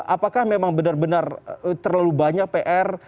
apakah memang benar benar terlalu banyak pr